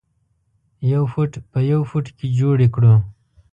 یو فټ په یو فټ کې جوړې کړو.